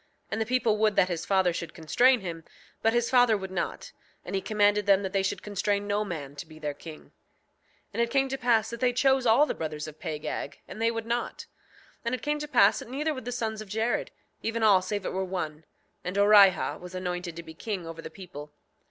And the people would that his father should constrain him, but his father would not; and he commanded them that they should constrain no man to be their king. 6:26 And it came to pass that they chose all the brothers of Pagag, and they would not. 6:27 And it came to pass that neither would the sons of Jared, even all save it were one; and Orihah was anointed to be king over the people.